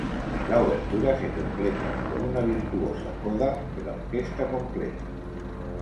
La obertura se completa con una virtuosa coda de la orquesta completa.